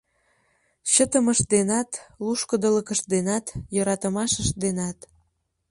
Чытымышт денат, лушкыдылыкышт денат, йӧратымашышт денат.